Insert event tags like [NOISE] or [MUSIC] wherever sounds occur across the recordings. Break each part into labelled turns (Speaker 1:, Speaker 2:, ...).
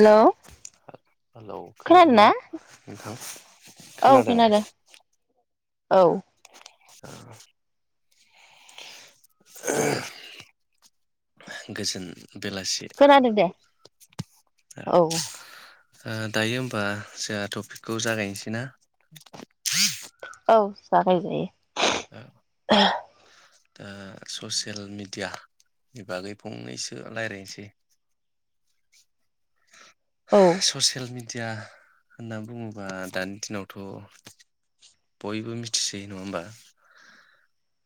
Speaker 1: हेल'
Speaker 2: hello
Speaker 1: खोनादों ना
Speaker 2: खोनादोंना नोंथां खोनादों?
Speaker 1: औ
Speaker 2: [UNINTELLIGIBLE] गोजोन बेलासि
Speaker 1: खोनादों दे औ।
Speaker 2: ओ दायो होमबा जाहा टपिकखौ जागायनोसै ना?
Speaker 1: औ
Speaker 2: औ
Speaker 1: जागायजायो।
Speaker 2: दा ससियेल मिडिया नि बागै फंनैसो रायलायनोसै
Speaker 1: औ
Speaker 2: ससियेल मिडिया होनना बुङोबा दानि दिनावथ' बयबो मिथिसै नङा होमबा?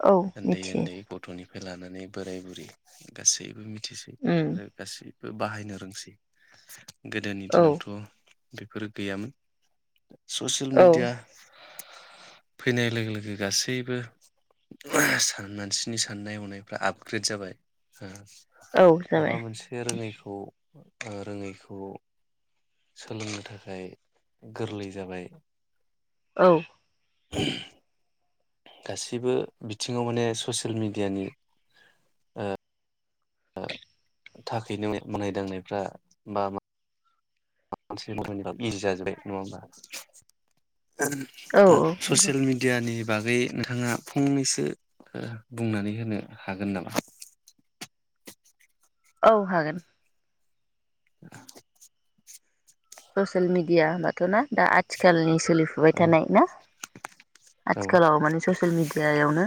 Speaker 1: औ मिथियो
Speaker 2: ओन्दै-ओन्दै गथ'निफ्राय लाना नै बोराय बुरि गासैबो मि थिसै
Speaker 1: उम
Speaker 2: आरो गासै बाहायनो रोंसै। गोदोनि
Speaker 1: औ
Speaker 2: दिनावथ' बेफोरो गैयामोन। ससियेल
Speaker 1: औ
Speaker 2: मिडिया फैनाय लोगो लोगो गासैबो [UNINTELLIGIBLE] मानसिनि साननाय हनायफ्रा आपग्रेड जाबाय ओ
Speaker 1: औ जाबाय
Speaker 2: माबा मोनसे रोङैखौ ओ रोङैखौ सोलोंनो थाखाय गोरलै जाबाय।
Speaker 1: औ।
Speaker 2: [UNINTELLIGIBLE] गासिबो बिथिङाव माने ससियेल मिडियानि ओ थाखायनो मावनाय-दांनायफ्रा बा मा माबा मोनसे मावनोबो इजि जाजोबबाय नङा होमबा? ओम
Speaker 1: औ
Speaker 2: दा
Speaker 1: औ नंगौ
Speaker 2: ससियेल मिडियानि बागै नोंथाङा फंनैसो ओ बुंनानै होनो हागोन नामा?
Speaker 1: औ हागोन।
Speaker 2: [INAUDIBLE]
Speaker 1: ससियेल मिडिया होमबाथ' ना दा आथिखालनि सोलिफुबाय
Speaker 2: औ
Speaker 1: थानाय ना
Speaker 2: औ
Speaker 1: आथिखालाव माने ससियेल मिडियायावनो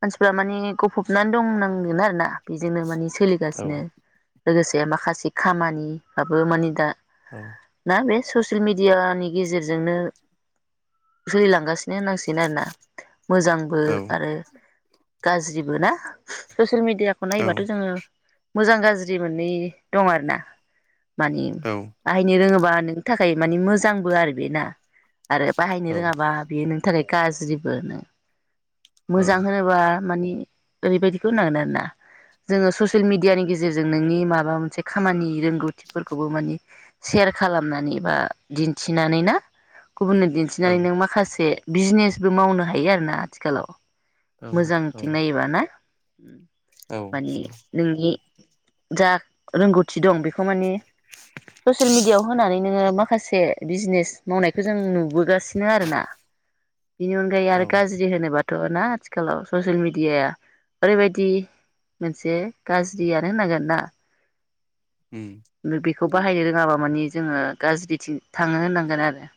Speaker 1: मानसिफ्रा माने गफबनानै दंनांगोन आरो ना बेजोंनो माने
Speaker 2: औ
Speaker 1: सोलिगासिनो लोगोसे माखासे खामानिफ्राबो माने दा
Speaker 2: औ।
Speaker 1: दा बे ससियेल मिडियानि गेजेरजोंनो सोलिलांगासिनो होन्नांसिगोन आरोना। मोजांबो
Speaker 2: औ
Speaker 1: आरो गाज्रिबो ना सस ससियेल मिडियाखौ नायोबाथ' जोङो मोजां गाज्रि मोननै दं आरो ना। मानिम
Speaker 2: औ
Speaker 1: बाहायनो रोङोबा नोंनि थाखाय माने मोजांबो आरो बे ना आरो बाहायनो
Speaker 2: औ
Speaker 1: रोङाबा बेयो नों थाखाय गाज्रिबो
Speaker 2: औ
Speaker 1: मोजां होनोबा मानि ओरैबायदिखौ होनांगोन आरो ना जोङो ससियेल मिडियानि गेजेरजों नोंनि माबा मोनसे खामानि रोंगौथिफोरखौबो मानि सेयार खालामनानै बा दिन्थिनानै ना गुबुननो दिन्थिनानै नों माखासे बिजनेसबो मावनो हायो आरोना आथिखालाव मोजांथिं नायोबा ना
Speaker 2: औ
Speaker 1: माने नोंनि जा रोंगौथि दं बेखौ माने
Speaker 2: [UNINTELLIGIBLE]
Speaker 1: ससियेल मिडियाव होनानै नोङो माखासे बिजनेस मावनायखौ जों नुबोगासिनो आरो ना बिनि अनगायै
Speaker 2: औ
Speaker 1: आरो
Speaker 2: औ
Speaker 1: गाज्रि होनोबाथ थ ना आथिखालाव ससियेल मिडियाया ओरैबायदि मोनसे गाज्रियानो होन्नांगोन ना
Speaker 2: उम
Speaker 1: खौ बाहायनो रोङाबा मानि जोङो गाज्रिथिं थाङो होननांगोन आरो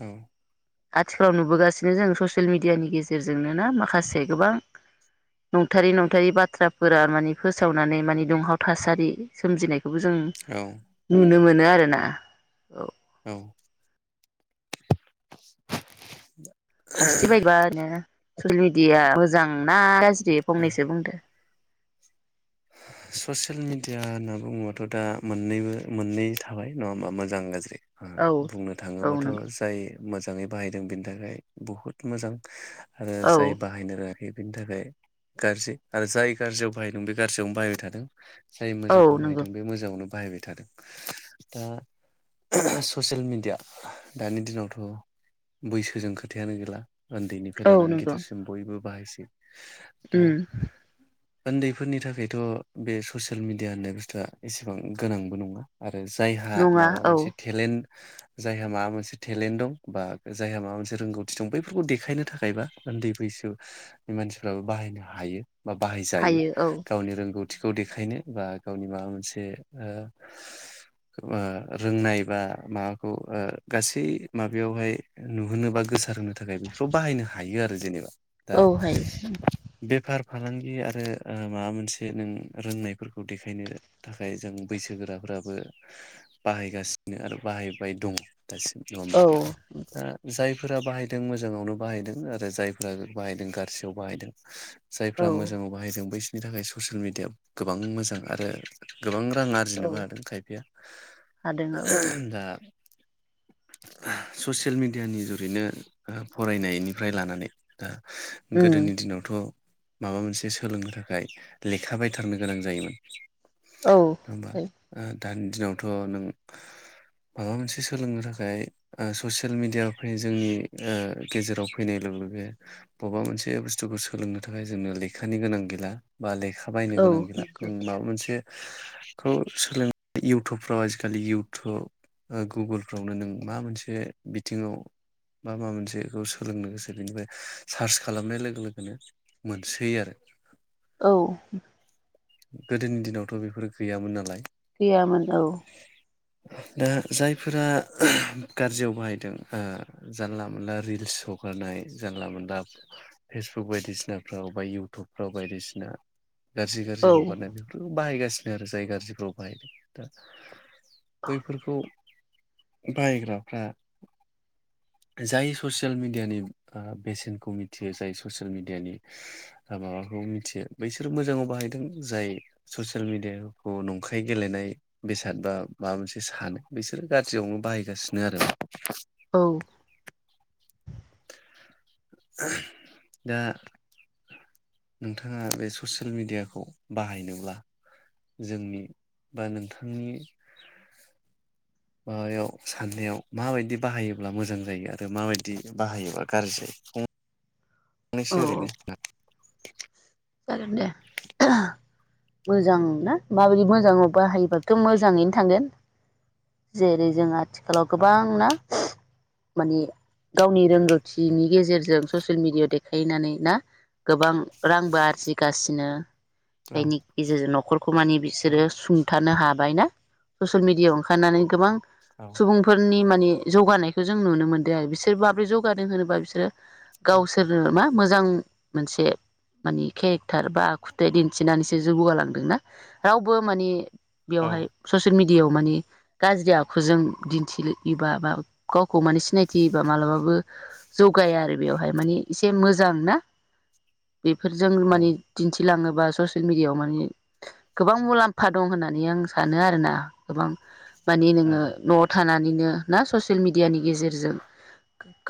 Speaker 2: उम
Speaker 1: आथिखालाव नुबोगासिनो जों ससियेल मिडियानि गेजेरजोंनो ना माखासे गोबां नंथारि नंथारि बाथ्राफोरा माने फोसावनानै माने दुंहाव थासारि सोमजिनाय जों नुनो
Speaker 2: औ
Speaker 1: मोनो मोनो आरोना औ
Speaker 2: औ [UNINTELLIGIBLE]
Speaker 1: फारसे बायबानो ससियेल मिडिया मोजांना गा जदे फंनैसो बुंदो
Speaker 2: ससियेल मिडिया होनना बुङोबाथ दा मोननैबो मोननै थाबाय नङा होमबा मोजां गाज्रि ओ
Speaker 1: औ
Speaker 2: बुंनो
Speaker 1: औ
Speaker 2: थाङोबाथ
Speaker 1: नंगौ
Speaker 2: जाय मोजा मोजाङै बाहायदों बेनि थाखाय बुहुत मोजां आरो
Speaker 1: औ
Speaker 2: जाय बाहायनो रोङा बेफोरनि थाखाय गाज्रि आरो जाय गाज्रियाव बाहाय नों बेखौ गाज्रियावनो बाहायबाय थादों जाय
Speaker 1: औ
Speaker 2: मोजाङाव
Speaker 1: नंगौ
Speaker 2: बाहायदों बे मोजाङावनो बाहायबाय थादों दा [UNINTELLIGIBLE] ससियेल मेडिया दानि दिनावथ बैसोजों खोथायानो गैला उन्दैनिफ्राय
Speaker 1: औ
Speaker 2: लानानै
Speaker 1: नंगौ
Speaker 2: गिदिरसिम बयबो बाहायसै
Speaker 1: उम
Speaker 2: ओन्दै बेफोरनि थाखायथ बे ससियेल मिडिया होननाय बुस्थुआ एसेबां गोनांबो नङा आरो जायहा
Speaker 1: नङा
Speaker 2: माबा
Speaker 1: औ
Speaker 2: मोनसे टेलेन्ट जायहा माबा मोनसे टेलेन्ट दं बा जायहा माबा मोनसे रोंगौथि दं बैफोरखौ देखायनो थाखायबा उन्दै बैसोनि मानसिफ्राबो बाहायनो हायो बा बाहायजायो
Speaker 1: हायो औ
Speaker 2: गावनि रोंगौथ थिखौ देखायनो बा गावनि माबा मोनसे रोंनाय बा माबाखौ गासै माबायावहाय नुहोनो बा गोसारहोनो थाख थाखाय बेफोराव बाहायनो हायोआरो जेनेबा दा
Speaker 1: औ हायो
Speaker 2: बेफार फालांगि आरो ओ माबा मोनसे नों रोंनायफोरखौ देखायनो थाखाय जों बैसोगोराफ्राबो बाहायगासिनो आरो बाहायबाय दं दासिम
Speaker 1: औ
Speaker 2: नङाहोमबा दा जाय जायफोरा बाहायदों मोजाङावनो बाहायदों आरो जायफोरा बाहायदों गारजियाव बाहायदों जायफ्रा
Speaker 1: औ
Speaker 2: मोजाङाव बाहायदोंमो बैसनि थाखाय ससियेल मिडिया गोबां मोजां आरो गोबां रां आरजिनोबो
Speaker 1: औ
Speaker 2: हादों खायफाया
Speaker 1: हादों औ
Speaker 2: दा ससियेल मिडियानि जुरैनो फरायनायनिफ्राय लानानै दा
Speaker 1: उम
Speaker 2: गोदोनि दिनावथ माबा मोनसे सोलोंनो था थाखाय लेखाबायथारनो गोनां जायोमोन
Speaker 1: औ
Speaker 2: होनबा ओ दानि दिनावथ नों माबा मोनसे सोलोंनो थाखाय ओ ससियेल मेडिया फै जों गेजेराव फैनाय लोगो लोगो बबेबा मोनसे बुस्थुखौ सोलोंनो थाखाय जोंनो लेखानि गोनां गैला बा लेखा बायनो
Speaker 1: औ
Speaker 2: गोनां गैला नों
Speaker 1: नंगौ
Speaker 2: माबा मोनसे खौ सोलों इउटुबफ्राव आजिखालि इउटुब गुगोलफ्रावनो नों मा मोनसे बिथिङाव बा मा मोनसे बेखौ सोलोंनो गोसो बेनिफ्राय सार्च खालामनाय लोगो लोगोनो मोनसै आरो
Speaker 1: औ
Speaker 2: गोदोनि दिनावथ बेफोर गैयामोन नालाय
Speaker 1: गैयामोन औ
Speaker 2: दा जायफोरा गाज्रियाव बाहायदों ओ जानला मानला रिल्स हगारनाय जानला मानला फेसबुक बायदिसिनाफ्राव बा इउटुबफ्राव बायदिसि ना गाज्रि गाज्रि
Speaker 1: औ
Speaker 2: हगारनाय बेफोरखौ बाहायगासि आरो जाय गाज्रिफ्राव बाहायदों दा बैफोरखौ बाहायग्राफ्रा जाय ससियेल मिडियानि ओ बेसेनखौ मिथियो जाय ससियेल मिडियानि ओ माबाखौ मिथियो बैसोरो मोजाङाव बाहायदों जाय ससियेल मेडियाखौ नंखायै गेलेनाय बेसाद बा माबा मोनसे सानो बिसोरो गाज्रियावनो बाहायगासिनोआरो
Speaker 1: औ
Speaker 2: दा नोंथाङा बे ससियेल मिडियाखौ बाहायनोब्ला जोंनि बा नोंथांनि माबायाव साननायाव माबायदि बाहायोब्ला मोजां जायो आरो माबायदि बाहायोबा गाज्रि जायो। [UNINTELLIGIBLE]
Speaker 1: औ
Speaker 2: ओरैनो ना
Speaker 1: जागोन दे मोजां ना माबायदि मोजाङाव बाहायोबथ मोजाङैनो थांगोन जेरै जों आथि खालाव
Speaker 2: औ
Speaker 1: गोबांना माने गावनि रोंगौथिनि गेजेरजों ससियेल मिडियाआव देखायनानै ना गोबां रांबो आर जिगासिनो
Speaker 2: औ
Speaker 1: जायनि गेजेरजों न'खरखौ माने
Speaker 2: औ
Speaker 1: बिसोरो सुंथानो हाबाय ना ससियेल मिडियाआव ओंखारनानै गोबां
Speaker 2: औ
Speaker 1: सुबुंफोरनि मोन नि जौगानायखौ जों नुनो मोन्दों आरो बिसोर माब्रै जौगादों होनोबा बिसोरो गावसोरनो मा मोजां मोनसे मानि केरेक्टार बा आखुथाय दिन्थिनानैसो जौगालांदोंना रावबो माने बेवहाय ससियेल मिड याव माने गाज्रि आखुजों दिन्थियोबा बा गावखौ माने सिनायथियोबा मालाबाबो जौगाया आरो बेयावहाय माने एसे मोजां ना बेफोर जों
Speaker 2: औ
Speaker 1: माने दिन्थि लाङोबा ससियेल मिडियाआव माने गोबां मुलाम्फा दं होननानै आं सानो आरोना गोबां मानने
Speaker 2: औ
Speaker 1: नोङो न'आव थानानै यो ना ससियेल मिडियानि गेजेरजों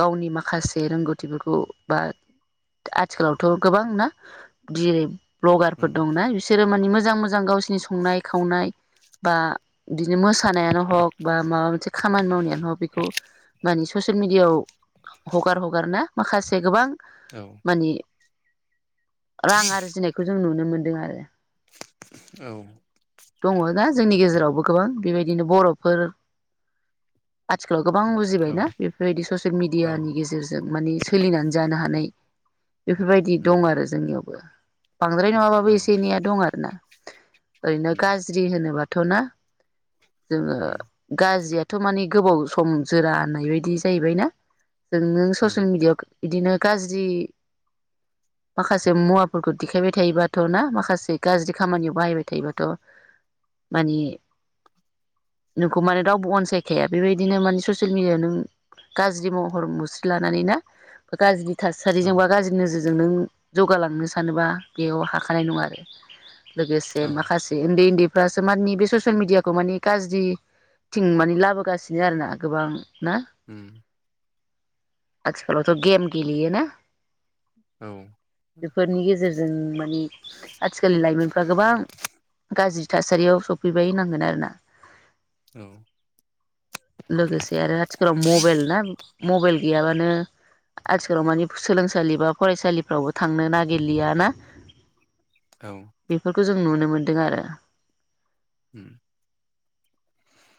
Speaker 1: गावनि माखासे रोंगौथिफोरखौ बा आथिखालावथ गोबां ना दिरिब ब्लगारफोर
Speaker 2: उम
Speaker 1: दंना बिसोर मानानि मोज मोजां मोजां गावसि नि संनाय खावनाय बा बिदिनो मोसानायानो हग बा माबा मोनसे खामानि मावनायानो हग बेखौ मानि ससेयेल मिडियाआव हगार हगार ना माखासे गोबां
Speaker 2: औ
Speaker 1: मानि रां आरजिनायखो जों नुनो मोनदों आरो
Speaker 2: औ
Speaker 1: दङ' दा जोंनि
Speaker 2: उम
Speaker 1: गेजेरावबो गोबां बेबायदिनो बर'फोर आथिखालाव गोबां
Speaker 2: औ
Speaker 1: बुजिबायना बेफोरबायदि ससियेल
Speaker 2: औ
Speaker 1: मिडियानि गेजेरजों माने सोलिनानै जानो हानाय। बेफोरबायदि
Speaker 2: उम
Speaker 1: दं आरो जोंनियावबो बांद्राय नङाबो
Speaker 2: औ
Speaker 1: एसे एनैया दं आरो ना ओरैनो
Speaker 2: उम
Speaker 1: गाज्रि होनोबा थ' ना जोङो
Speaker 2: उम
Speaker 1: गाज्रियाथ' माने गोबाव सम जोरा होननाय बायदि जाहैबाय ना? जों नों
Speaker 2: उम
Speaker 1: ससियेल मिडियाव गो बिदिनो गाज्रि माखासे मुवाफोरखौ देखायबाय थायोबाथ' ना माखासे गाज्रि खामानियाव बाहायबाय थायोबाथ' माने नोंखौ माने रावबो अनसायखाया बेबायदिनो माने ससियेल मिडियाव नों गाज्रि महर मुस्रि लानानै ना गाज्रि
Speaker 2: औ
Speaker 1: थासारिजों बा गाज्रि नोजोरजों जों नों जौगालांनो सानोबा बेयाव हाखानाय नङा आरो लोगोसे
Speaker 2: औ
Speaker 1: माखासे ओन्दै ओन्दै फ्रासो मानानि बे ससियेल मिडियाखौ माने गाज्रिथिं माने लाबोगासिनो आरोना गोबां ना
Speaker 2: उम
Speaker 1: आथिखालावथ' गेम गेलेयो ना?
Speaker 2: औ
Speaker 1: बेफोरनि गेजेरजों मानि आथिखालनि लाइमोनफ्रा गोबां गाज्रि थासारियाव सफैबाय होनांगोन आरोना लेगोसे आरो आथिखालाव मबेल ना मबेल गैयाबानो आथिखालाव माने सोलोंसालि बा फरायसालिफ्रावबो थांनो नागिरलिया ना?
Speaker 2: औ
Speaker 1: खो जों नुनो मोनदों आरो
Speaker 2: उम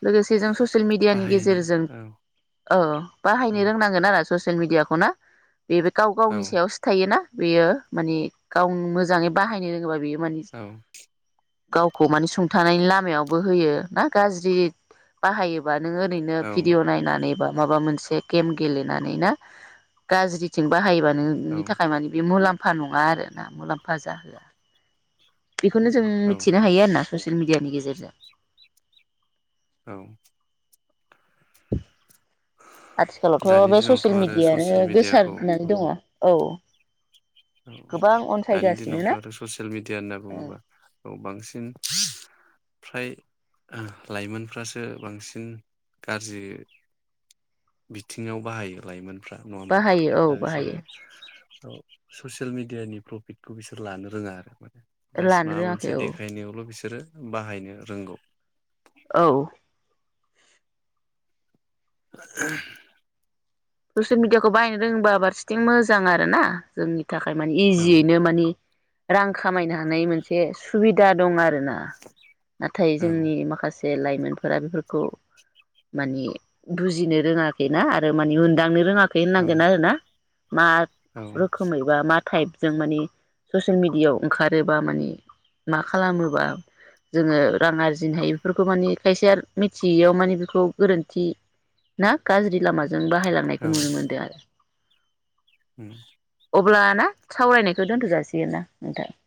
Speaker 1: लोगोसे जों ससियेल मिडियानि
Speaker 2: बाहायनो
Speaker 1: गेजेरजों
Speaker 2: औ
Speaker 1: ओ
Speaker 2: औ
Speaker 1: बाहायनो रोंनांगोन आरो ससियेल मिडियाखौ ना? बेबो गाव
Speaker 2: औ
Speaker 1: गावनि थायोना बेयो माने गाव मोजाङै बाहायनो रोङोबा बेयो माने
Speaker 2: औ
Speaker 1: गावखौ माने सुंथानायनि लामायावबो होयो ना गाज्रि बाहायोबा। नोङो ओरैनो बिडिअ नायनानै। बा माबा मोनसे गेम गेलेनानै ना गाज्रिथिं बाहायोबानो
Speaker 2: औ
Speaker 1: नि थाखाय माने बे मुलाम फा नङा आरोना मुलाम्फा जाहोआ बेखौनो जों
Speaker 2: औ
Speaker 1: मिथिनो हायो आरोना ससियेल मिडिया नि गेजेरजों।
Speaker 2: औ।
Speaker 1: आथिखालावथ
Speaker 2: दानि
Speaker 1: बे
Speaker 2: दिनावथ'
Speaker 1: ससियेल
Speaker 2: आरो
Speaker 1: मिडियानो
Speaker 2: ससियेल मिडियाखौ औ
Speaker 1: गोसारनानै दङ औ।
Speaker 2: औ
Speaker 1: गोबां
Speaker 2: दानि
Speaker 1: अनसायगासिनो
Speaker 2: दिनावथ
Speaker 1: ना
Speaker 2: आरो ससियेल मिडिया होनना बुङोबा। औ बांसिन फ्राय आ लाइमोनफ्रासो बांसिन गाज्रि बिथिङाव बाहायो लाइमोन। फ्रा नङा होमबा
Speaker 1: बाहायो
Speaker 2: दा
Speaker 1: औ
Speaker 2: बिसोरो।
Speaker 1: बाहायो
Speaker 2: थ। ससेयेल मिडियानि प्रफिटखौ बिसोर लानो रोङा आरो मा। जास्ट
Speaker 1: लानो
Speaker 2: माबा
Speaker 1: रोङाखै
Speaker 2: मोनसे
Speaker 1: औ
Speaker 2: देखायनायावल बेसे जोरो बाहायनो रोंगौ।
Speaker 1: औ।
Speaker 2: [INAUDIBLE]
Speaker 1: [UNINTELLIGIBLE] मिडयाखौ बा रोंबा बारसेथिं मोजां आरो ना जोंनि। थाखाय माने
Speaker 2: औ
Speaker 1: इजियैनो मानि। रां खामायनो हानाय मोनसे सुबिदा दं आरो। ना-नाथाय
Speaker 2: औ
Speaker 1: जोंनि माखासे। जे लाइमोनफोरा बेफोरखौ मानि बुजिनो रोङाखैना आरो मानि उन दांनो रोङा।
Speaker 2: औ
Speaker 1: [UNINTELLIGIBLE] आरो ना। मा
Speaker 2: औ
Speaker 1: रोखोमै बा मा। टाइपजों माने ससेल मिडियायाव ओंखारोबा मानि मा खालामोबा जोङो रां आरजिनो हायो इफोरखौ मानि खायसेया मिथियैयाव मानि बेखौ गोरोन्थि ना गाज्रि लामाजों बाहाय। नायखौ नुनो मोनदो आरो।
Speaker 2: उम।
Speaker 1: अब्ला ना सावरायनायखौ दोनथ जाासिगोन ना नोंथां।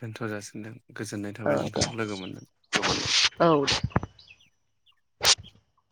Speaker 2: दोनथ जासिनदों गोजोननाय
Speaker 1: औ
Speaker 2: थाबाय
Speaker 1: दे
Speaker 2: नोंथांखौ लोगो मोनदों।
Speaker 1: औ। [INAUDIBLE]